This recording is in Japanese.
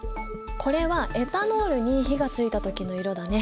これはエタノールに火がついた時の色だね。